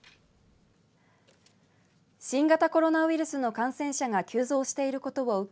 新型コロナウイルスの感染者が急増していることを受け